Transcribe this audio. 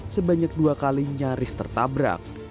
sebanyak dua kali nyaris tertabrak